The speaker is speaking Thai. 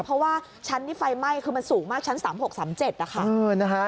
เพราะว่าชั้นที่ไฟไหม้คือมันสูงมากชั้น๓๖๓๗นะคะ